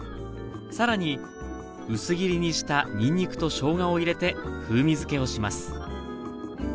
更に薄切りにしたにんにくとしょうがを入れて風味づけをします